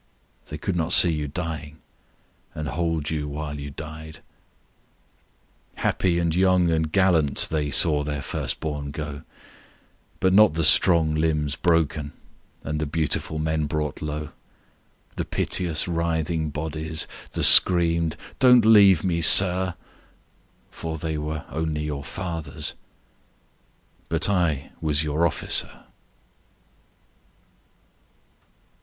They could not see you dying. And hold you while you died. Happy and young and gallant, They saw their first bom go, 41 But not the strong limbs broken And the beautiful men brought low, The piteous writhing bodies, The screamed, " Don't leave me, Sir," For they were only your fathers But I was your officer.